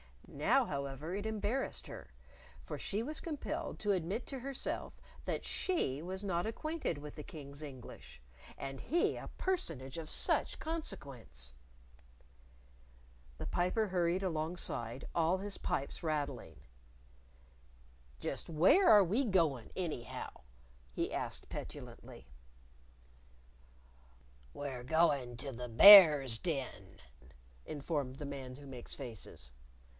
Now, however, it embarrassed her, for she was compelled to admit to herself that she was not acquainted with the King's English and he a personage of such consequence! The Piper hurried alongside, all his pipes rattling. "Just where are we goin', anyhow?" he asked petulantly. "We're going to the Bear's Den," informed the Man Who Makes Faces.